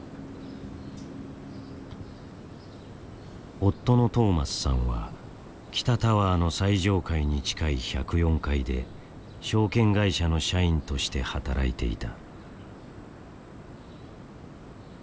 夫のトーマスさんは北タワーの最上階に近い１０４階で証券会社の社員として働いていた。